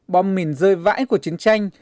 bom mìn rơi vãi của chiến tranh